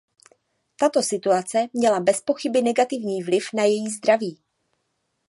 Tato situace měla bez pochyby negativní vliv na její zdraví.